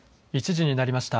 １時になりました。